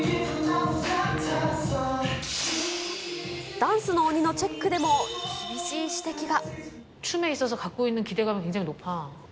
ダンスの鬼のチェックでも厳しい指摘が。